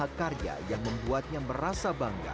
dan sebuah karya yang membuatnya merasa bangga